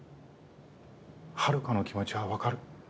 ハルカの気持ちは分かる。